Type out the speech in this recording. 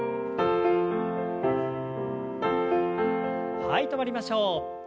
はい止まりましょう。